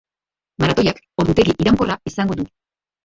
Maratoiak ordutegi iraunkorra izango du.